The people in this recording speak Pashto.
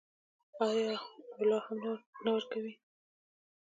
آیا او لا هم نه ورکوي؟